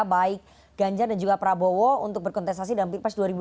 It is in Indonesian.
baik ganjar dan juga prabowo untuk berkontestasi dalam pilpres dua ribu dua puluh